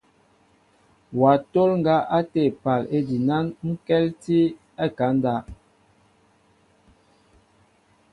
Wa tol ŋgaw ate épaal ejinaŋkɛltinɛ a ekaŋ ndáw.